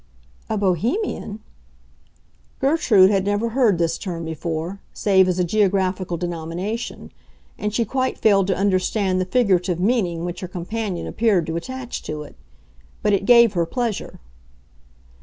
"A Bohemian?" Gertrude had never heard this term before, save as a geographical denomination; and she quite failed to understand the figurative meaning which her companion appeared to attach to it. But it gave her pleasure.